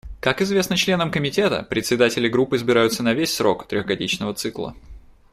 Как известно членам Комитета, председатели групп избираются на весь срок трехгодичного цикла.